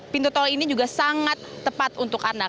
pintu tol ini juga sangat tepat untuk anda